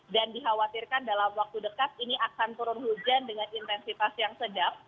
dan dikhawatirkan dalam waktu dekat ini akan turun hujan dengan intensitas yang sedap